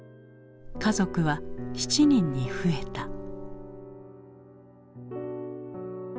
家族は７人に増えた。